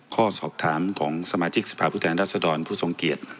ข้อสอบถามของสมาชิกสภาพผู้แทนรัศดรผู้ทรงเกียจ